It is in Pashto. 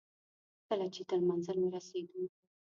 کله چې تر منزل ورسېدو.